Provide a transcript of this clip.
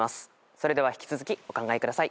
それでは引き続きお考えください。